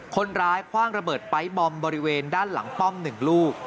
คว่างระเบิดไป๊บอมบริเวณด้านหลังป้อม๑ลูก